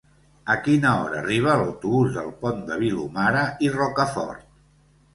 A quina hora arriba l'autobús del Pont de Vilomara i Rocafort?